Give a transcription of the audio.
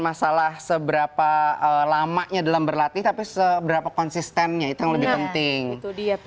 masalah seberapa lamanya dalam berlatih tapi seberapa konsistennya itu yang lebih penting itu dia